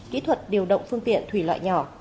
kỹ thuật điều động phương tiện thủy loại nhỏ